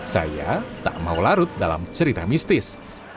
saya tak mau larut dalam cerita mistis